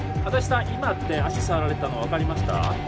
今って足触られたの分かりました？